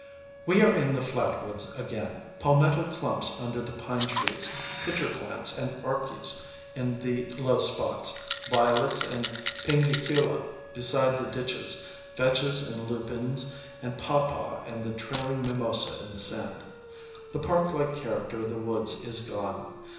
We are in the flat woods again palmetto clumps under the pine trees, pitcher plants and orchis in the low spots, violets and pinguicula beside the ditches, vetches and lupines and pawpaw and the trailing mimosa in the sand. The park like character of the woods is gone.